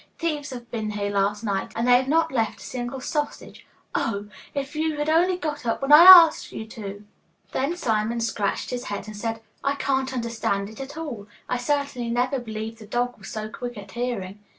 Thieves have been here last night, and they have not left a single sausage. Oh! if you had only got up when I asked you to!' Then Simon scratched his head and said, 'I can't understand it at all. I certainly never believed the old dog was so quick at hearing.